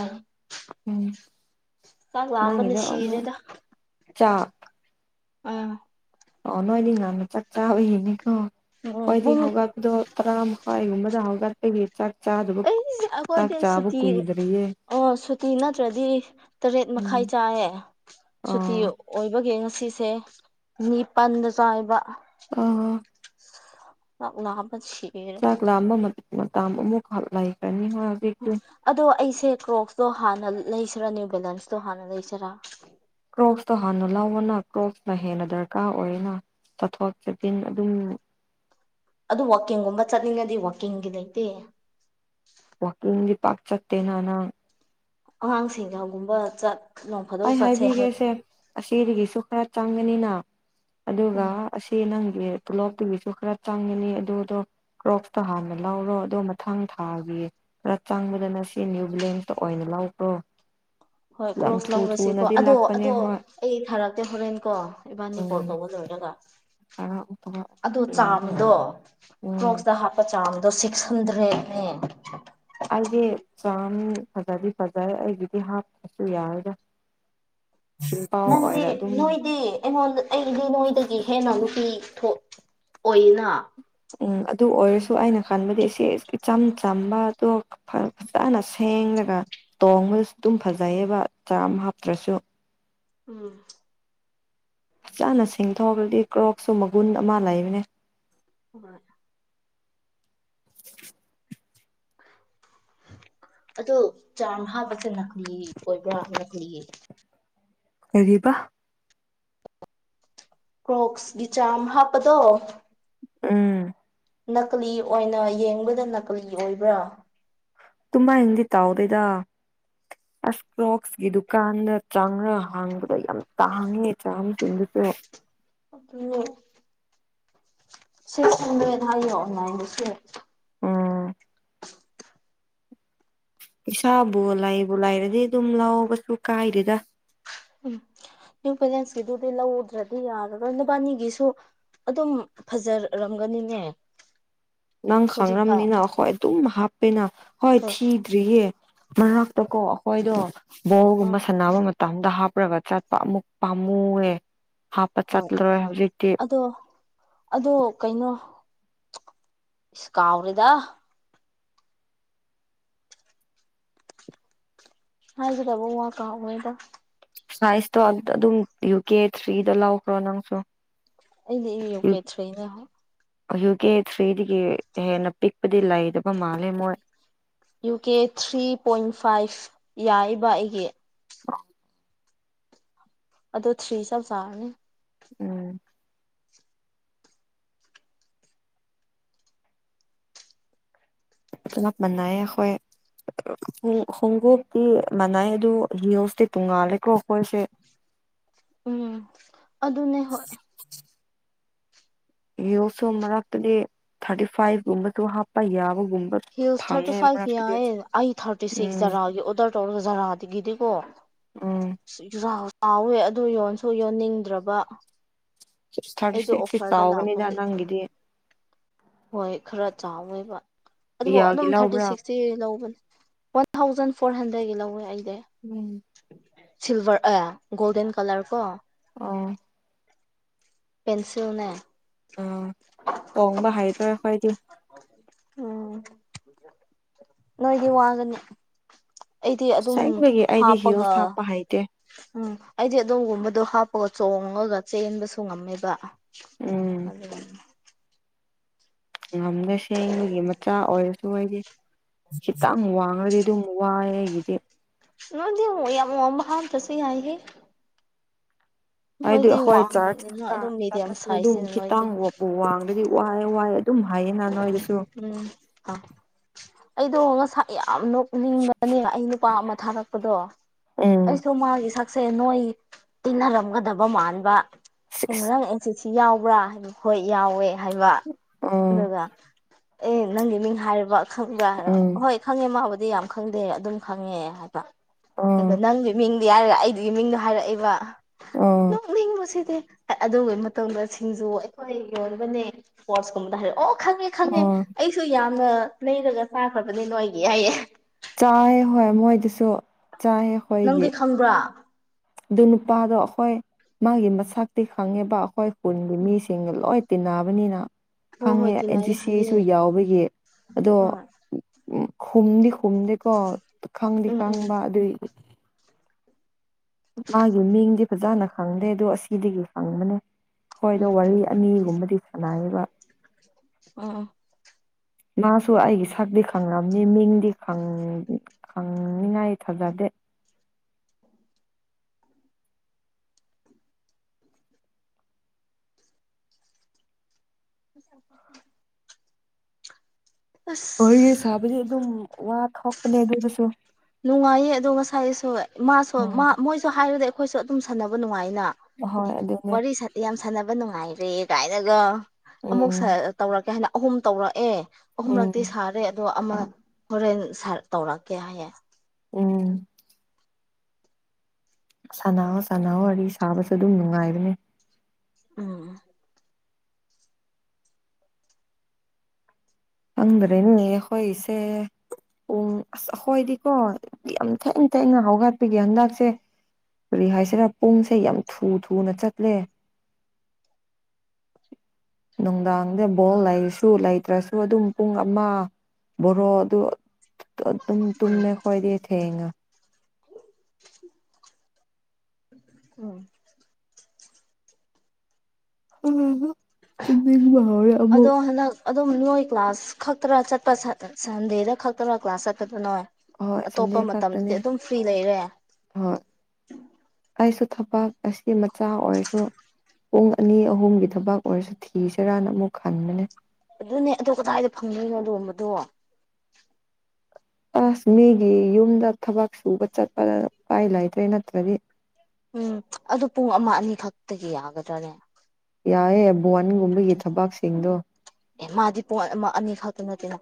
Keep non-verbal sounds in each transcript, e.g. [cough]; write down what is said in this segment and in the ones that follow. ꯑ ꯎꯝ ꯆꯥꯛ ꯂꯥꯝꯕꯅ ꯅꯪꯒꯤꯗꯣ ꯑꯃꯨꯛ ꯁꯤꯔꯦꯗ ꯆꯥꯛ ꯑ ꯑ ꯅꯣꯏꯗꯤ ꯉꯟꯅ ꯆꯥꯛ ꯆꯥꯕꯌꯦꯅꯤꯀꯣ ꯑꯣ ꯍꯣꯏꯗꯤ ꯄꯨꯡ ꯍꯧꯒꯠꯄꯗꯣ ꯇꯔꯥ ꯃꯈꯥꯏꯒꯨꯝꯕꯗ ꯍꯧꯒꯠꯄꯗꯤ ꯆꯥꯛ ꯆꯥꯗꯕ ꯑꯩꯁ ꯑꯩꯈꯣꯏꯗꯤ ꯆꯥꯛ ꯆꯥꯕꯨ ꯁꯨꯇꯤ ꯀꯏꯗꯔꯤꯌꯦ ꯑꯣ ꯁꯨꯇꯤ ꯅꯠꯇ꯭ꯔꯗꯤ ꯇꯔꯦꯠ ꯎꯝ ꯃꯈꯥꯏ ꯆꯥꯏꯑꯦ ꯁꯨꯇꯤ ꯑꯥ ꯑꯣꯏꯕꯒꯤꯦ ꯉꯁꯤꯁꯦ ꯅꯤꯄꯟꯗ ꯆꯥꯏꯕ ꯑ ꯑ ꯎ ꯂꯕꯁꯤ ꯆꯥꯛ ꯂꯥꯝꯕ ꯃꯇ ꯑꯃꯨꯛ ꯂꯩꯈ꯭ꯔꯅꯤ ꯍꯥꯏ ꯎ ꯑꯗꯣ ꯑꯩꯁꯦ ꯀ꯭ꯔꯣꯛꯁꯇꯣ ꯍꯥꯟꯅ ꯂꯩꯁꯤꯔꯥꯅꯦ ꯅꯤꯌꯨ ꯕꯦꯂꯦꯟꯁꯇꯣ ꯍꯥꯟꯅ ꯂꯩꯁꯤꯔꯥ ꯀ꯭ꯔꯣꯛꯁꯇꯣ ꯍꯥꯟꯅ ꯂꯧꯕꯅ ꯀ꯭ꯔꯣꯛꯁꯅ ꯍꯦꯟꯅ ꯗꯔꯀꯥꯔ ꯑꯣꯏꯅ ꯆꯠꯊꯣꯛ ꯆꯠꯁꯤꯟ ꯑꯗꯨꯝ ꯑꯗꯨ ꯋꯥꯛꯀꯤꯡꯒꯨꯝꯕ ꯆꯠꯅꯤꯡꯉꯗꯤ ꯋꯥꯛꯀꯤꯡꯒꯤ ꯂꯩꯇꯦ ꯋꯥꯀꯤꯡꯗꯤ ꯄꯥꯛ ꯆꯠꯇꯦꯅ ꯅꯪ ꯑꯉꯥꯡꯁꯤꯡꯒꯒꯨꯝꯕ ꯆꯠ ꯅꯣꯡ ꯐꯥꯗꯣꯛ ꯑꯩ ꯆꯠꯁꯦ ꯍꯣꯏ ꯍꯥꯏꯕꯤꯒꯦꯁꯦ ꯑꯁꯤꯗꯒꯤꯁꯨ ꯈꯔ ꯆꯪꯒꯅꯤꯅ ꯑꯗꯨꯒ ꯎꯝ ꯑꯁꯤ ꯅꯪꯒꯤ ꯇꯣꯂꯣꯞꯇꯨꯒꯤꯁꯨ ꯈꯔ ꯆꯪꯉꯅꯤ ꯑꯗꯨꯗꯣ ꯀ꯭ꯔꯣꯞꯇꯨ ꯍꯥꯟꯅ ꯂꯧꯔꯣ ꯑꯗꯣ ꯃꯊꯪ ꯊꯥꯒꯤ ꯈꯔ ꯆꯪꯕꯗ ꯅꯁꯤ ꯅꯌꯨ ꯕꯤꯂꯦꯟꯁꯇ ꯑꯣꯏꯅ ꯂꯧꯕ꯭ꯔꯣ ꯍꯣꯏ ꯀ꯭ꯔꯣꯁ ꯂꯧꯔꯁꯤꯀꯣ ꯑꯗꯣ ꯂꯥꯛꯄꯅꯦ ꯑꯗꯣ ꯍꯣꯏ ꯑꯩ ꯊꯥꯔꯛꯇꯦ ꯍꯣꯔꯦꯟ ꯀꯣ ꯏꯕꯥꯅꯤ ꯀꯣꯜ ꯎꯝ ꯇꯧꯕ ꯂꯣꯏꯔꯒ ꯊꯥꯔꯛꯑꯣ ꯊꯥꯔꯛꯑꯣ ꯑꯣ ꯌꯦꯡꯒꯦ ꯆꯥꯗꯣ ꯎꯝ ꯀ꯭ꯔꯣꯛꯁꯇ ꯍꯥ ꯄꯥ ꯆꯥꯡꯗꯣ ꯁꯤꯛꯁ ꯍꯟꯗ꯭ꯔꯦꯗꯅꯦ ꯑꯩꯁ ꯆꯥꯝ ꯐꯖꯗꯤ ꯐꯖꯔꯦ ꯑꯩꯒꯤꯗꯤ ꯍꯥꯞꯇ꯭ꯔꯁꯨ ꯌꯥꯔꯗ꯭ꯔꯥ ꯅꯪꯗꯤ ꯑꯗꯨꯝ ꯅꯣꯏꯗꯤ ꯑꯩꯉꯣꯟꯗ ꯑꯩꯗꯤ ꯅꯣꯏꯗꯒꯤ ꯍꯦꯟꯅ ꯅꯨꯄꯤ ꯊꯣꯛ ꯑꯣꯏꯅ ꯎꯝ ꯑꯗꯨ ꯑꯣꯏꯔꯁꯨ ꯑꯩꯅ ꯈꯟꯕꯗꯤ ꯁꯤ ꯏꯆꯝ ꯆꯝꯕꯗꯣ ꯐꯖꯅ ꯁꯦꯡꯂꯒ ꯇꯣꯡꯕꯗꯁꯨ ꯑꯗꯨꯝ ꯐꯖꯩꯌꯦꯕ ꯆꯥꯝ ꯍꯥꯞꯇ꯭ꯔꯁꯨ ꯎꯝ ꯐꯖꯅ ꯁꯤꯡꯊꯣꯛꯑꯒꯗꯤ ꯀ꯭ꯔꯣꯞꯁꯨ ꯃꯒꯨꯟ ꯑꯃ ꯂꯩꯕꯅꯦ ꯍꯣꯏ ꯑꯗꯣ ꯆꯥꯝ ꯍꯥꯞꯄꯁꯦ ꯅꯥꯀꯂꯤ ꯑꯣꯏꯕ꯭ꯔꯥ ꯅꯥꯀꯂꯤ ꯀꯔꯤꯕ ꯀ꯭ꯔꯣꯛꯁꯒꯤ ꯆꯥꯝ ꯍꯥꯞꯄꯗꯣ ꯎꯝ ꯅꯥꯀꯂꯤ ꯑꯣꯏꯅ ꯌꯦꯡꯕꯗ ꯅꯥꯀꯂꯤ ꯑꯣꯏꯕ꯭ꯔꯥ ꯇꯨꯝꯃ ꯅꯗꯤ ꯇꯥꯎꯗꯦꯗ [inaudible] ꯑꯁ ꯀ꯭ꯔꯣꯛꯁꯀꯤ ꯗꯨꯀꯥꯟꯗ ꯆꯥꯡꯝꯅ ꯍꯥꯡꯕꯗ ꯌꯥꯝ ꯇꯥꯡꯉꯦ ꯆꯥꯁꯤꯡꯗꯨꯁꯨ ꯑꯗꯨꯅꯦ ꯁꯤꯛꯁ ꯍꯟꯗ꯭ꯔꯦ ꯍꯥꯏꯌꫭ ꯑꯣꯟꯂꯥꯏꯟꯗ ꯁꯦꯠ ꯎꯝ ꯄꯩꯁꯥꯕꯨ ꯂꯥꯏꯕꯨ ꯂꯥꯏꯔꯗꯤ ꯑꯗꯨꯝ ꯂꯥꯎꯕꯁꯨ ꯀꯥꯏꯗꯦꯗ ꯎꯝ ꯄꯦꯂꯦꯟꯁꯀꯤꯗꯨꯗꯤ ꯂꯧꯗ꯭ꯔꯗꯤ ꯌꯥꯔꯔꫭꯏ ꯅꯕꯥꯅꯤꯒꯤꯁꯨ ꯑꯗꯨꯝ ꯐꯖꯔꯝꯒꯅꯤꯅꯦ ꯅꯪ ꯍꯧꯖꯤꯛꯐꯥꯎ ꯈꯪ꯭ꯔꯝꯅꯤꯅ ꯍꯣꯏ ꯑꯗꯨꯝ ꯍꯥꯞꯄꯦꯅ ꯍꯣꯏ ꯊꯤ ꯇꯤꯔꯌꯦ ꯃꯔꯛ ꯇꯀꯣ ꯑꯩꯈꯣꯏꯗꯣ ꯕꯣꯜꯒꯨꯝꯕ ꯑꯥ ꯁꯥꯟꯅꯕ ꯃꯇꯝ ꯇꯝꯗ ꯍꯥꯞꯄꯒ ꯆꯠꯄ ꯑꯃꯨꯛ ꯄꯥꯝꯃꯨꯑ ꯍꯣꯏ ꯑꯗꯣ ꯑꯗꯣ ꯀꯩꯅꯣ ꯑꯁꯤ ꯀꯥꯎꯔꯦꯗ ꯍꯥꯏꯒꯗꯕ ꯋꯥ ꯀꯥꯎꯒ꯭ꯔꯦꯗꯥ ꯁꯥꯏꯁꯇꯣ ꯑꯗꯨꯝ ꯌꯨ ꯀꯦ ꯊ꯭ꯔꯤꯗ ꯂꯧꯈ꯭ꯔꯣ ꯅꯪꯁꯨ ꯑꯩꯗꯤ ꯏ ꯌ ꯀꯦ ꯊ꯭ꯔꯤꯅꯦ [unintelligible] ꯌꯨ ꯀꯦ ꯊ꯭ꯔꯤꯗꯒꯤ ꯍꯦꯟꯅ ꯄꯤꯛꯄꯗꯤ ꯂꯩꯗꯕ ꯃꯥꯜꯂꯦ ꯃꯣꯏ U K three point five ꯌꯥꯏꯑꯕꯥ ꯑꯩꯒꯤ [inaudible] ꯑꯗꯣ ꯊ꯭ꯔꯤꯁ ꯆꯥꯞ ꯆꯥꯔꯅꯤ ꯎꯝ ꯂꯞ ꯃꯅꯩꯌꯦ ꯍꯣꯏ ꯍꯣꯡꯀꯣꯛꯞꯇꯤ ꯃꯅꯥꯏ ꯑꯗꯨ ꯍꯤꯜꯁꯇꯤ ꯇꯨꯡꯉꯥꯜꯂꯦꯀꯣ ꯑꯩꯈꯣꯏꯁꯦ ꯎꯝ ꯑꯗꯨꯅꯦ ꯍꯣꯢ ꯌꯣꯁꯣ ꯃꯔꯛꯇꯗꯤ ꯊꯥꯔꯇꯤ ꯐꯥꯏꯚꯀꯨꯝꯕꯁꯨ ꯍꯥꯞꯄ ꯌꯥꯕꯒꯨꯝꯕ ꯍꯤꯜꯁ ꯊꯥꯔꯇꯤ ꯐꯪꯉꯦ ꯐꯥꯏꯚ ꯃꯔꯛꯇꯗꯤ ꯌꯥꯏꯌꯦ ꯑꯩ ꯊꯥꯔꯇꯤ ꯁꯤꯛꯁ ꯎꯝ ꯖꯥꯔꯥꯒꯤ ꯑꯣꯔꯗꯔ ꯇꯧꯔꯒ ꯖꯥꯔꯥꯗꯒꯤꯗꯤꯀꯣ ꯎꯝ ꯆꯥꯎꯋꯦ ꯑꯗꯨ ꯌꯣꯟꯁꯨ ꯌꯣꯟꯅꯤꯡꯗ꯭ꯔꯕ ꯁꯤꯁ ꯊꯥꯔꯇꯤ ꯑꯩꯗꯣ ꯁꯤꯛꯁꯀꯤ ꯑꯣꯐꯔꯗ ꯆꯥꯎꯒꯅꯤꯗ ꯂꯥꯛꯄꯒꯤ ꯅꯪꯒꯤꯗꯤ ꯍꯣꯏ ꯈꯔ ꯆꯥꯎꯋꯦꯕ ꯑꯗꯨꯕꯨ ꯗꯤꯌꯥꯒꯤ ꯑꯗꯨꯝ ꯊꯥꯔꯇꯤ ꯂꯧꯕ꯭ꯔꯥ ꯁꯤꯛꯁ ꯁꯤ ꯂꯧꯕꯅꯦ ꯋꯥꯟ ꯊꯥꯎꯖꯟ ꯐꯣꯔ ꯍꯟꯗ꯭ꯔꯦꯗꯀꯤ ꯂꯧꯋꯦ ꯑꯩꯗꯤ ꯎꯝ ꯁꯤꯜꯚꯔ ꯑꯦ ꯒꯣꯜꯗꯟ ꯀꯂꯔ ꯀꯣ ꯑꯣ ꯄꯦꯟꯁꯤꯜꯅꯦ [inaudible] ꯀꯣꯡꯕ ꯍꯩꯇꯔꯦ ꯑꯩꯈꯣꯏꯗꯤ ꯎꯝ ꯅꯣꯏꯗꯤ ꯋꯥꯒꯅꯤ ꯑꯩꯗꯤ ꯑꯗꯨꯝ ꯑꯁꯦꯡꯕꯒꯤ ꯑꯩꯗꯤ ꯍꯥꯞꯄꯒ ꯍꯤꯜꯁ ꯍꯥꯞꯄ ꯍꯩꯇꯦ ꯎꯝ ꯑꯩꯗꯤ ꯑꯗꯣꯝꯒꯨꯝꯕꯗꯣ ꯍꯥꯞꯄꯒ ꯆꯣꯡꯉꯒ ꯆꯦꯟꯕꯁꯨ ꯉꯝꯃꯦꯕ ꯎꯝ [unintelligible] ꯉꯝꯒꯁꯦꯡꯕꯒꯤ ꯃꯆꯥ ꯑꯣꯏꯔꯁꯨ ꯑꯩꯗꯤ ꯈꯤꯇꯪ ꯋꯥꯡꯡꯂꯗꯤ ꯑꯗꯨꯝ ꯋꯥꯏ ꯑꯩꯒꯤꯗꯤ ꯅꯪꯗꯤ ꯑꯃꯛ ꯌꯥꯝꯃ ꯋꯥꯡꯕ ꯍꯥꯞ ꯇꯥꯔꯁꯨ ꯌꯥꯏꯍꯦ ꯍꯥꯏꯗꯤ ꯅꯣꯏꯗꯤ ꯍꯈꯣꯏ ꯆꯥ ꯋꯥꯡꯕꯅꯤꯅ ꯑꯗꯨꯝ [unintelligible] ꯃꯤꯗꯤꯌꯝ ꯆꯥꯂꯁꯨ ꯑꯗꯨꯝ ꯁꯥꯏꯖꯅꯤꯅ ꯅꯣꯏꯗꯤ ꯈꯤꯇꯪ ꯋꯥꯡꯉ ꯑꯗꯨꯗꯤ ꯋꯥꯏ ꯋꯥꯏ ꯑꯗꯨꯝ ꯍꯥꯏꯌꯦ ꯅ ꯎꯝ ꯅꯣꯏꯗꯁꯨ ꯎꯝ ꯑꯥ ꯑꯩꯗꯣ ꯉꯁꯥꯢ ꯌꯥꯝꯅ ꯎꯅꯤꯡꯕꯅꯦ ꯑꯩ ꯅꯨꯄꯥ ꯑꯃ ꯊꯥꯔꯛꯄꯗꯣ ꯎꯝ ꯑꯩꯁꯨ ꯃꯥꯒꯤ ꯁꯛꯁꯦ ꯅꯣꯏ ꯇꯤꯟꯅꯔꯝꯒꯗꯕ ꯃꯥꯟꯕ ꯑꯁꯤꯁꯤ ꯌꯥꯎꯕ꯭ꯔꯥ ꯍꯥꯏꯕ ꯍꯣꯏ ꯌꯥꯎꯋꯦ ꯍꯥꯏꯕ ꯑ [unintelligible] ꯑꯗꯨꯒ ꯑꯦ ꯅꯪꯒꯤ ꯃꯤꯡ ꯍꯥꯏꯕ ꯈꯪꯕ꯭ꯔꯥ ꯍꯥꯏꯔ ꯎꯝ ꯍꯣꯏ ꯈꯪꯉꯦ ꯃꯥꯕꯨꯗꯤ ꯌꯥꯝ ꯈꯪꯗꯦ ꯑꯗꯨꯝ ꯈꯪꯉꯦ ꯍꯥꯏꯕ ꯎꯝ ꯑꯗꯣ ꯅꯪꯒꯤ ꯃꯤꯡ ꯌꯥꯔꯒ ꯑꯩꯒꯤ ꯃꯤꯡꯗꯣ ꯍꯥꯏꯔꯛꯏꯕ ꯎꯝ ꯄꯨꯅꯤꯡꯕꯁꯤꯗꯤ ꯑꯗꯨꯒꯤ ꯃꯇꯝꯗ ꯁꯤꯡꯖꯨ ꯑꯩꯈꯣꯏ ꯌꯣꯟꯕꯅꯦ ꯏꯁꯄꯣꯔꯠꯁ ꯀꯨꯝꯕꯗ ꯍꯥꯏꯔꯦ ꯑꯣ ꯈꯪꯉꯦ ꯈꯪꯉꯦ ꯎꯝ ꯑꯩꯁꯨ ꯌꯥꯝꯅ ꯂꯩꯔꯒ ꯆꯥꯈ꯭ꯔꯕꯅꯤ ꯅꯣꯏꯒꯤ ꯍꯥꯏꯌꯦ ꯆꯥꯏꯌꯦ ꯍꯣꯏ ꯃꯣꯏꯗꯁꯨ ꯆꯥꯏꯌꫭ ꯅꯪꯗꯤ ꯈꯪꯕ꯭ꯔꯥ ꯑꯗꯨ ꯅꯨꯄꯥꯗꯣ ꯑꯩꯈꯣꯏ ꯃꯥꯒꯤ ꯃꯁꯛꯇꯤ ꯈꯪꯉꯦꯕ ꯑꯩꯈꯣꯏ ꯈꯨꯟꯒꯤ ꯎꯝ ꯃꯤꯁꯤꯡꯒ ꯂꯣꯏ ꯇꯤꯟꯅꯕꯅꯤꯅ ꯍꯣꯏ ꯍꯣꯏ ꯈꯪꯉꯦ ꯇꯤꯅꯥꯏ ꯑꯦꯟꯁꯤꯁꯤ ꯁꯨ ꯍꯥꯏꯌꯦ ꯌꯥꯎꯕꯒꯤ ꯑꯗꯣ ꯍꯣꯏ ꯎꯝ ꯈꯨꯝꯗꯤ ꯈꯨꯝꯗꯦꯀꯣ ꯈꯪꯗꯤ ꯎꯝ ꯎꯝ ꯈꯪꯕ ꯑꯗꯨꯏ ꯃꯥꯒꯤ ꯃꯤꯡꯗꯤ ꯐꯖꯅ ꯈꯪꯗꯦ ꯑꯗꯨ ꯑꯁꯤꯗꯒꯤ ꯈꯪꯕꯅꯦ ꯍꯣꯏꯗ ꯎꯝ ꯋꯥꯔꯤ ꯑꯅꯤꯒꯨꯝꯕꯗꯤ ꯁꯥꯟꯅꯌꯦꯕ ꯑꯥ ꯃꯥꯁꯨ ꯑꯩꯒꯤ ꯁꯛꯇꯤ ꯈꯪꯔꯝꯅꯤ ꯃꯤꯡꯗꯤ ꯅꯪ ꯈꯪꯅꯤꯉꯥꯏ ꯊꯥꯖꯗꯦ [inaudible] ꯋꯥꯔꯤ ꯑꯁ ꯁꯥꯕꯗꯤ ꯑꯗꯨꯝ ꯋꯥ ꯊꯣꯛꯄꯅꯦ ꯑꯗꯨꯗꯁꯨ ꯅꯨꯡꯉꯥꯏꯌꯦ ꯑꯗꯣ ꯉꯁꯥꯏꯁꯨ ꯃꯥꯁꯨ ꯎꯝ ꯃꯣꯏꯁꯨ ꯍꯥꯏꯔꯗꯤ ꯑꯩꯈꯣꯏꯁꯨ ꯑꯗꯨꯝ ꯁꯥꯟꯅꯕ ꯅꯨꯡꯉꯥꯏꯅ ꯑ ꯍꯣꯏ [unintelligible] ꯑꯗꯨꯅꯦ ꯋꯥꯔꯤ ꯌꯥꯝ ꯁꯥꯟꯅꯕ ꯅꯨꯡꯉꯥꯏꯔꯦ ꯀꯥꯏꯅꯒ ꯑꯃꯨꯛ ꯎꯝ ꯇꯧꯔꯛꯀꯦ ꯍꯥꯏꯅ ꯑꯍꯨꯝ ꯇꯧꯔꯛꯑꯦ ꯎꯝ ꯑꯍꯨꯝꯂꯛꯇꯤ ꯁꯥꯔꯦ ꯑꯗꯣ ꯑꯃ ꯍꯣꯔꯦꯟ ꯇꯧꯔꯛꯀꯦ ꯍꯥꯏꯌꯦ ꯎꯝ ꯁꯅꯧꯋꫭ ꯁꯅꯧꯋꫭ ꯋꯥꯔꯤ ꯁꯥꯕꯁꯨ ꯑꯗꯨꯝ ꯅꯨꯡꯉꯥꯏꯕꯅꯦ ꯎꯝ ꯍꯪꯗ꯭ꯔꯦꯅ‌ꯦ ꯑꯈꫭꯏꯒꯤꯁꯦ ꯎꯨꯡ ꯑꯁ ꯑꯩꯈꯣꯏꯗꯤꯀꯣ ꯌꯥꯝ ꯊ‌ꯦꯡ ꯊ‌ꯦꯡꯅ ꯍꯧꯒꯠꯄꯤꯒꯤ ꯍꯟꯗꯛꯁ‌ꯦ ꯀꯔꯤ ꯍꯥꯏꯁꯤꯔ ꯄꯨꯡꯁꯦ ꯌꯥꯝ ꯊꯨ ꯊꯨꯅ ꯆꯠꯂꯦ ꯅꯨꯡꯗꯥꯡꯗ ꯕꯣꯜ ꯂꯩꯔꯁꯨ ꯂꯩꯇ꯭ꯔꯁꯨ ꯑꯗꯨꯝ ꯄꯨꯡ ꯑꯃ ꯕꯥꯔꯣ ꯑꯗꯨ ꯑꯗꯨꯝ ꯇꯨꯝꯃ‌ꯦ ꯑꯈꫭꯏꯗꯤ ꯊ‌‌ꯦꯡꯅꯥ ꯎꯝ ꯎꯝ ꯍꯝ ꯇꯨꯝꯅꯤꯡꯕ ꯍꯧꯔ‌ꯦ ꯑꯗꯣ ꯍꯟꯗꯛ ꯑꯗꯨꯝ ꯅꯣꯏ ꯀ꯭ꯂꯥꯁ ꯈꯛꯇꯔ ꯆꯠꯄ ꯁꯟ ꯁꯟꯗꯦꯗ ꯈꯛꯇꯔ ꯀ꯭ꯂꯥꯁ ꯆꯠꯄꯗ ꯅꯣꯏ ꯍꯣꯏ ꯁꯟꯗꯦ ꯑꯇꯣꯞꯄ ꯃꯇꯝꯗꯗꯤ ꯈꯛꯇꯅꯦ ꯑꯗꯨꯝ ꯐ꯭ꯔꯤ ꯂꯩꯔꯦ ꯍꯣꯏ ꯑꯩꯁꯨ ꯊꯕꯛ ꯑꯁꯤ ꯃꯆꯥ ꯑꯣꯏꯔꯁꯨ ꯄꯨꯡ ꯑꯅꯤ ꯑꯍꯨꯝꯒꯤ ꯊꯕꯛ ꯑꯣꯏꯔꯁꯨ ꯊꯤꯁꯤꯔꯥꯟꯅ ꯑꯃꯨꯛ ꯈꯟꯕꯅꯦ ꯑꯗꯨꯅꯦ ꯑꯗꯨ ꯀꯗꯥꯏꯗ ꯐꯪꯗꯣꯏꯅꯣ ꯑꯗꯨꯒꯨꯝꯕꯗꯨ ꯑꯥꯁ ꯃꯤꯒꯤ ꯌꯨꯝꯗ ꯊꯕꯛ ꯁꯨꯕ ꯆꯠꯄꯗ ꯎꯄꯥꯏ ꯂꯩꯇ꯭ꯔꯦ ꯅꯠꯇ꯭ꯔꯗꯤ ꯎꯝ ꯑꯗꯨ ꯄꯨꯡ ꯑꯃ ꯑꯅꯤꯈꯛꯇꯒꯤ ꯌꯥꯒꯗ꯭ꯔꯅꯦ ꯌꯥꯏꯌ‌ꯦ ꯕꫭꯟꯒꯨꯝꯕꯒꯤ ꯊꯕꯛꯁꯤꯡꯗꯣ ꯑꯦ ꯃꯥꯗꯤ ꯄꯣꯠ ꯑꯃ ꯑꯅꯤ ꯈꯛꯇ ꯅꯠꯇꯦꯅ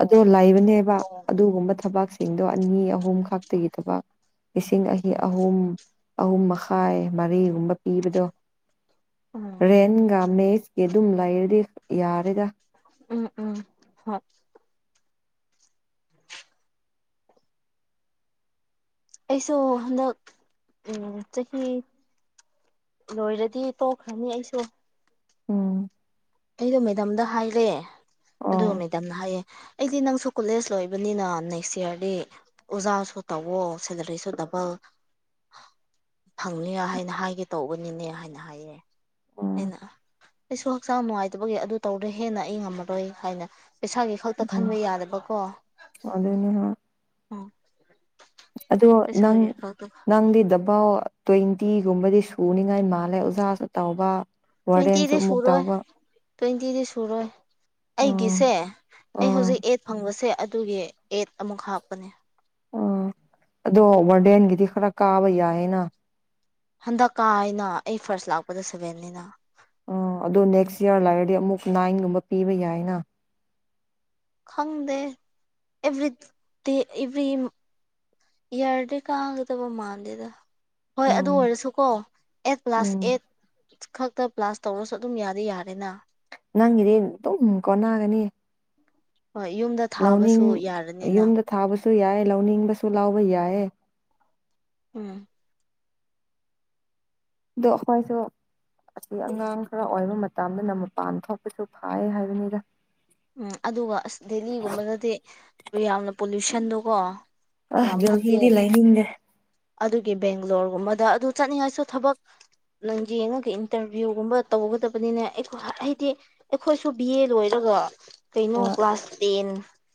ꯑꯗꯣ ꯂꯩꯕꯅꯦꯕ ꯇꯣꯡ ꯑꯗꯨꯒꯨꯝꯕ ꯊꯕꯛꯁꯤꯡꯗꯣ ꯑꯅꯤ ꯑꯍꯨꯝ ꯈꯛꯇꯒꯤ ꯊꯕꯛ ꯂꯤꯁꯤꯡ ꯑꯅꯤ ꯑꯍꯨꯝ ꯑꯍꯨꯝ ꯃꯈꯥꯏ ꯃꯔꯤꯒꯨꯝꯕ ꯄꯤꯕꯗꯣ ꯎꯝ ꯔꯦꯟꯒ ꯃꯦꯁꯀꯤ ꯑꯗꯨꯝ ꯂꯩꯔꯗꯤ ꯌꯥꯔꯦꯗ ꯎꯝ ꯎꯝ ꯍꫭꯏ ꯑꯩꯁꯨ ꯍꯗꯛ ꯎꯝ ꯆꯍꯤ ꯂꯣꯏꯔꯗꯤ ꯇꯣꯛꯈ꯭ꯔꯅꯤ ꯑꯩꯁꯨ ꯎꯝ ꯑꯩꯗꯣ ꯃꯦꯗꯥꯝꯗ ꯍꯥꯏꯔꯦ ꯑꯗꯨꯒ ꯎꯝ ꯃꯦꯗꯥꯝꯅ ꯍꯥꯏꯌꯦ ꯑꯩꯗꯤ ꯅꯪꯁꯨ ꯀꯣꯂꯦꯖ ꯂꯣꯏꯕꯅꯤꯅ ꯅꯦꯛꯁ ꯏꯌꯥꯔꯗꯤ ꯑꯣꯖꯥꯁꯨ ꯇꯧꯋꯣ ꯁꯦꯂꯔꯤꯁꯨ ꯅꯕ ꯐꯪꯅꯤ ꯍꯥꯏꯅ ꯍꯥꯏꯒꯦ ꯇꯧꯕꯅꯤꯅꯦ ꯍꯥꯏꯅ ꯍꯥꯏꯌꯦ ꯑꯩꯅ ꯎꯝ ꯑꯩꯁꯨ ꯍꯛꯆꯥꯡ ꯅꯨꯡꯉꯥꯏꯇꯕꯒꯤ ꯑꯗꯨ ꯇꯧꯔꯦ ꯍꯦꯟꯅ ꯑꯩ ꯉꯝꯃꯔꯣꯏ ꯍꯥꯏꯅ ꯄꯩꯁꯥꯒꯤ ꯈꯛꯇ ꯈꯟꯕ ꯌꯥꯗꯕꯀꯣ ꯑꯗꯨꯅꯦ ꯎꯝ ꯑꯗꯨꯗꯣ ꯅꯪ ꯄꯩꯁꯥꯒꯤ ꯈꯛꯇ ꯅꯪꯗꯤ ꯗ ꯑꯕꯥ ꯇ꯭ꯋꯦꯟꯇꯤꯒꯨꯝꯕꯗꯤ ꯁꯨꯅꯤꯉꯥꯏ ꯃꯥꯜꯂꯦ ꯑꯣꯖꯥꯁꯨ ꯇꯧꯕ ꯇꯇ ꯋꯥꯔꯗꯦꯟꯁꯨ ꯏꯗꯤꯦ ꯑꯃꯨꯛ ꯁꯨꯔꯨ ꯇꯧꯕ ꯇ꯭ꯋꯦꯟꯇꯤꯗꯤ ꯁꯨꯔꯣꯏ ꯎꯝ ꯑꯩꯒꯤꯁꯦ ꯑꯩ ꯑꯥ ꯍꯧꯖꯤꯛ ꯑꯩꯠ ꯐꯪꯕꯁꯦ ꯑꯗꯨꯒꯤ ꯑꯦꯠ ꯑꯃꯨꯛ ꯍꯥꯞꯄꯅꯦ ꯑ ꯑꯗꯣ ꯔꯗꯦꯟꯒꯤꯗꯤ ꯈꯔ ꯀꯥꯕ ꯌꯥꯏꯑꯌꯦꯅ ꯍꯟꯗꯛꯀꯥ ꯍꯥꯏꯅ ꯑꯩ ꯐꯥꯔꯁ ꯂꯥꯛꯄꯗ ꯁꯚꯦꯟꯅꯤꯅ ꯑ ꯑꯗꯨꯣ ꯅꯦꯛꯁ ꯌꯥꯌꯥꯔ ꯂꯔꯗꯤ ꯑꯃꯨꯛ ꯅꯥꯏꯟꯒꯨꯝꯕ ꯄꯤꯕ ꯌꯥꯏꯅ ꯈꯪꯗꯦ ꯑꯦꯕ꯭ꯔꯤ ꯗꯦ ꯑꯦꯚ꯭ꯔꯤ ꯑꯦꯔꯗ ꯀꯒꯗꯕ ꯃꯥꯗꯗ ꯍꯣꯏ ꯑꯗꯨ ꯎꯝ ꯑꯣꯏꯔꯁꯨꯀꯣ ꯑꯩꯠ ꯀ꯭ꯂꯥꯁ ꯎꯝ ꯑꯦꯠ ꯈꯛꯇ ꯄ꯭ꯂꯥꯁ ꯇꯧꯔꯁꯨ ꯑꯗꯨꯝ ꯌꯥꯗꯤ ꯌꯥꯔꯦꯅ ꯅꯪꯒꯤꯗꯤ ꯑꯗꯨꯝ ꯀꯣꯟꯅꯒꯅꯤ ꯍꯣꯏ ꯌꯨꯝꯗ ꯂꯧꯅꯤꯡ ꯊꯥꯕꯁꯨ ꯌꯥꯔꯅꯤꯅ ꯌꯨꯝꯗ ꯊꯥꯕꯁꯨ ꯌꯥꯏ ꯂꯧꯅꯤꯡꯕꯁꯨ ꯂꯥꯎꯕ ꯌꯥꯏ ꯎꯝ ꯑꯗꯨ ꯍꯣꯏꯁꯨ ꯑꯁꯤ ꯑꯉꯥꯡ ꯈꯔ ꯑꯣꯏꯕ ꯃꯇꯝꯗꯅ ꯃꯄꯥꯟ ꯊꯣꯛꯄꯁꯨ ꯐꯥꯏ ꯍꯥꯏꯕꯅꯤꯗ ꯎꯝ ꯑꯗꯨꯒ ꯑꯁ ꯗꯦꯜꯂꯤꯒꯨꯝꯕꯗꯗꯤ ꯌꯥꯝꯅ ꯄꯣꯂꯨꯁꯟꯗꯣꯀꯣ ꯑ ꯌꯥꯝ ꯐꯠꯇꯦ ꯌꯧꯍꯤꯗꯤ ꯂꯩꯅꯤꯡꯗꯦ ꯑꯗꯨꯒꯤ ꯕꯦꯡꯒ꯭ꯂꯣꯔꯒꯨꯝꯕꯗ ꯑꯗꯨ ꯆꯠꯅꯤꯡꯉꯥꯏꯁꯨ ꯊꯕꯛ ꯅꯪ ꯌꯦꯡꯉꯒ ꯏꯟꯇꯔꯚꯤꯌꯨꯒꯨꯝꯕ ꯇꯧꯒꯗꯕꯅꯤꯅ ꯑꯩ ꯍꯥꯏꯗꯤ ꯑꯩꯈꯣꯏꯁꯨ ꯕꯤ ꯑꯦ ꯂꯣꯏꯔꯒ ꯀꯩꯅꯣ ꯍꯣꯏ ꯀ꯭ꯂꯥꯁ ꯇꯦꯟ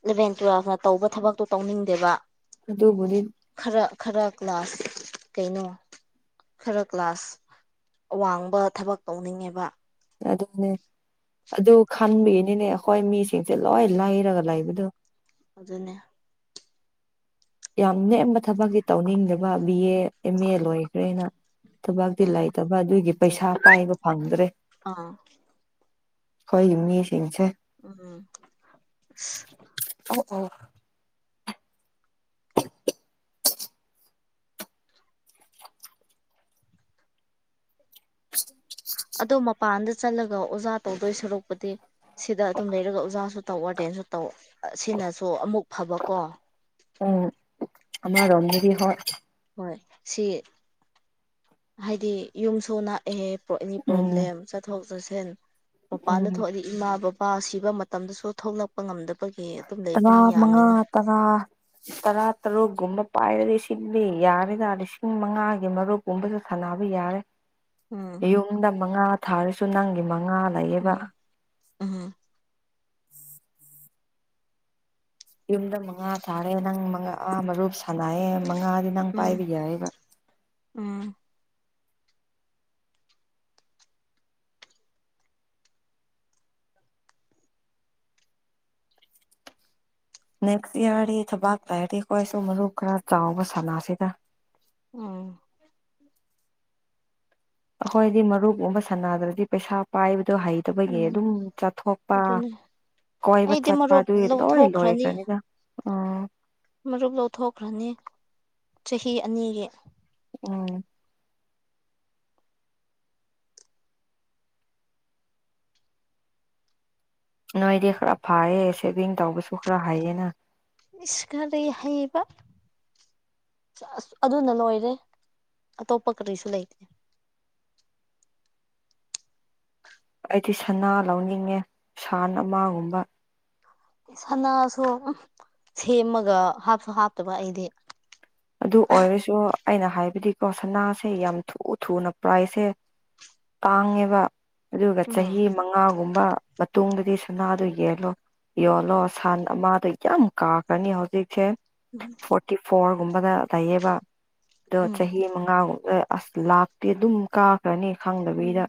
ꯏꯂꯚꯦꯟ ꯇꯨꯋꯦꯜꯐꯅ ꯇꯧꯕ ꯊꯕꯛꯇꯣ ꯇꯧꯅꯤꯡꯗꯦꯕ ꯑꯗꯨꯕꯨꯅꯤ ꯈꯔ ꯈꯔ ꯀ꯭ꯂ ꯀꯩꯅꯣ ꯈꯔ ꯀ꯭ꯂꯥꯁ ꯑꯋꯥꯡꯕ ꯊꯕꯛ ꯇꯧꯅꯤꯡꯉꯦꯕ ꯑꯗꯨꯅꯦ ꯑꯗꯨ ꯈꯟꯕꯒꯤꯅꯤꯅꯦ ꯑꯩꯈꯣꯏ ꯃꯤꯁꯤꯡꯁꯦ ꯂꯣꯏ ꯂꯩꯔꯒ ꯂꯩꯕꯗꯣ ꯑꯗꯨꯅꯦ ꯌꯥꯝ ꯅꯦꯝꯕ ꯊꯕꯛꯇꯤ ꯇꯧꯅꯤꯡꯗꯕ ꯕꯤ ꯑꯦ ꯑꯦꯝ ꯑꯦ ꯂꯣꯏꯈ꯭ꯔꯦꯅ ꯊꯕꯇꯤ ꯎꯝ ꯂꯩꯇꯕ ꯑꯗꯨꯒꯤ ꯄꯩꯁꯥ ꯄꯥꯏꯕ ꯐꯪꯗ꯭ꯔꯦ ꯑꯥ ꯑꯩꯈꯣꯏꯒꯤ ꯃꯤꯁꯤꯡꯁꯦ ꯎꯝ ꯑ ꯑ ꯑꯗꯣ ꯃꯄꯥꯟꯗ ꯆꯠꯂꯒ ꯑꯣꯖꯥ ꯇꯧꯗꯣꯏ ꯁꯣꯔꯨꯄꯗꯤ ꯁꯤꯗ ꯑꯗꯨꯝ ꯂꯩꯔꯒ ꯑꯣꯖꯥꯁꯨ ꯇꯧ ꯑꯔꯗꯦꯟꯁꯨ ꯇꯧ ꯁꯤꯅꯁꯨ ꯑꯃꯨꯛ ꯐꯕꯀꯣ ꯑꯣ ꯑꯥ ꯔꯟꯙꯔꯤ ꯍ ꯍꯣꯏ ꯁꯤ ꯍꯥꯏꯗꯤ ꯌꯨꯝꯁꯨ ꯅꯛꯑꯦ ꯄꯅꯤ ꯎꯝ ꯄ꯭ꯔꯣꯕ꯭ꯂꯦꯝ ꯆꯠꯊꯣꯛ ꯆꯠꯁꯤꯟ ꯃꯄꯥꯟꯗ ꯎꯝ ꯊꯣꯛꯂꯤ ꯏꯃꯥ ꯕꯕꯥ ꯁꯤꯕ ꯃꯇꯝꯗꯁꯨ ꯊꯣꯛꯂꯛꯄ ꯉꯝꯗꯕꯒꯤ ꯑꯗꯨꯝ ꯂꯩꯕ ꯃꯤ ꯌꯥꯝꯃꯤꯅ ꯑ ꯇꯔꯥ ꯇꯔꯨꯛꯀꯨꯝꯕ ꯄꯥꯏꯔꯗꯤ ꯁꯤꯜꯂꯤ ꯌꯥꯔꯦꯗ ꯂꯤꯁꯤꯡ ꯃꯉꯥꯒꯤ ꯃꯔꯨꯞ ꯒꯨꯝꯕꯁꯨ ꯁꯥꯟꯅꯕ ꯌꯥꯔꯦ ꯎꯝ ꯇꯨꯡꯗ ꯃꯉꯥ ꯊꯥꯔꯁꯨ ꯅꯪꯒꯤ ꯃꯉꯥ ꯂꯩꯌꯦꯕ ꯎꯝ ꯑ ꯌꯨꯝꯗ ꯃꯉꯥ ꯊꯥꯔꯦ ꯅꯪꯥ ꯃꯔꯨꯞ ꯁꯥꯟꯅꯑꯦ ꯃꯉꯥꯗꯤ ꯅꯪ ꯄꯥꯏꯕ ꯌꯥꯏꯕ ꯎꯝ ꯅꯦꯛꯁ ꯏꯌꯥꯔꯗꯤ ꯊꯕꯥꯛꯇ ꯍꯥꯏꯔꯗꯤ ꯑꯩꯈꯣꯏꯁꯨ ꯃꯔꯨ ꯈꯔ ꯆꯥꯎꯕ ꯁꯅꯁꯤꯒ ꯑꯣ ꯑꯩꯈꯣꯏꯗꯤ ꯃꯔꯨꯞꯒꯨꯝꯕ ꯁꯥꯟꯅꯗ꯭ꯔꯗꯤ ꯄꯩꯁꯥ ꯄꯥꯏꯕꯗꯣ ꯍꯩ ꯇꯈꯣꯏꯒꯤ ꯎꯝ ꯑꯗꯨꯝ ꯆꯠꯊꯣꯛꯄ ꯑꯗꯨꯅꯤ ꯀꯣꯏꯕ ꯑꯩꯗꯤ ꯆꯠꯄ ꯃꯔꯨꯞ ꯑꯗꯨꯒꯤ ꯂꯣꯏ ꯂꯧꯊꯣꯛꯈ꯭ꯔꯅꯤ ꯂꯣꯏꯈ꯭ꯔꯅꯤꯅ ꯎ ꯃꯔꯨꯞ ꯂꯧꯊꯣꯛꯈ꯭ꯔꯅꯤ ꯆꯍꯤ ꯑꯅꯤꯒꯤ ꯎꯝ ꯅꯣꯏꯗꯤ ꯈꯔ ꯐꯌꯦ ꯁꯦꯚꯤꯡ ꯇꯧꯕꯁꯨ ꯈꯔ ꯍꯥꯏꯩꯌꯦꯅ ꯏꯀꯥꯔꯔꯤ ꯍꯥꯏꯩꯕ ꯑꯁ ꯑꯗꯨꯅ ꯂꯣꯏꯔꯦ ꯑꯇꯣꯞꯄ ꯀꯔꯤꯁꯨ ꯂꯩꯇꯦ ꯑꯩꯗꯤ ꯁꯅꯥ ꯂꯧꯅꯤꯡꯉꯦ ꯁꯟ ꯑꯃꯒꯨꯝꯕ ꯁꯅꯥꯁꯨ ꯁꯦꯝꯃꯒ ꯍꯥꯞꯁꯨ ꯍꯥꯞꯇꯕ ꯑꯩꯗꯤ ꯑꯗꯨ ꯑꯣꯏꯔꯁꯨ ꯑꯩꯅ ꯍꯥꯏꯕꯗꯤꯀꯣ ꯁꯅꯥꯁꯦ ꯌꯥꯝ ꯊꯨ ꯊꯨꯅ ꯄ꯭ꯔꯥꯏꯖꯁꯦ ꯇꯥꯡꯉꯦꯕ ꯑꯗꯨꯒ ꯎꯝ ꯆꯍꯤ ꯃꯉꯥꯒꯨꯝꯕ ꯃꯇꯨꯡꯗꯗꯤ ꯁꯅꯥꯗꯨꯣ ꯌꯦꯜꯂꯣ ꯌꯣꯜꯂꯣ ꯁꯟ ꯑꯃꯗꯣ ꯌꯥꯝ ꯀꯥꯈ꯭ꯔꯅꯤ ꯍꯧꯖꯤꯛꯁꯦ ꯎꯝ ꯐꯥꯔꯇꯤ ꯐꯣꯔꯒꯨꯝꯕꯗ ꯂꯩꯌꯦꯕ ꯑꯗꯣ ꯎꯝ ꯆꯍꯤ ꯃꯉꯥꯒꯨꯝ ꯑꯁ ꯂꯥꯛꯇꯦ ꯑꯗꯨꯝ ꯀꯥꯈ꯭ꯔꯅꯤ ꯎꯝ ꯈꯪꯗꯕꯤꯩꯗ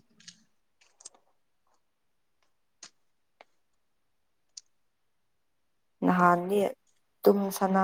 ꯅꯍꯥꯟꯗꯤ ꯇꯨꯝ ꯁꯅꯥ